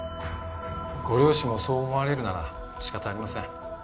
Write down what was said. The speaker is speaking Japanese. ご両親もそう思われるなら仕方ありません。